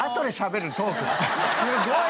すごい。